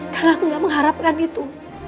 karena aku gak mengharapkan itu